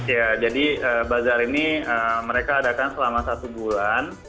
ya jadi bazar ini mereka adakan selama satu bulan